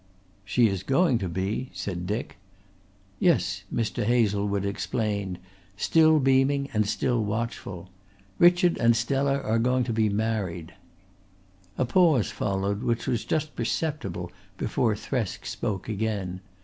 "She is going to be," said Dick. "Yes," Mr. Hazlewood explained, still beaming and still watchful. "Richard and Stella are going to be married." A pause followed which was just perceptible before Thresk spoke again.